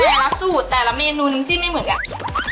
แต่ละสูตรแต่ละเมนูน้ำจิ้มไม่เหมือนกัน